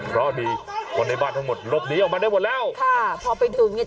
เพราะดีคนในบ้านทั้งหมดลบหนีออกมาได้หมดแล้วค่ะพอไปถึงเนี่ย